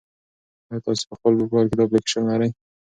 ایا تاسي په خپل موبایل کې دا اپلیکیشن لرئ؟